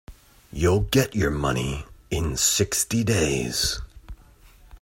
You'll get your money in sixty days.